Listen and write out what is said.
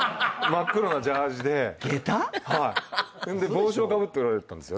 帽子をかぶっておられたんです。